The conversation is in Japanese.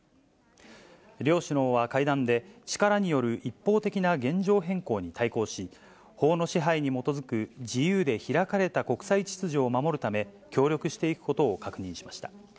両首脳は会談で、力による一方的な現状変更に対抗し、法の支配に基づく自由で開かれた国際秩序を守るため、協力していくことを確認しました。